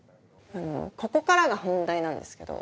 ここからが本題なんですけど。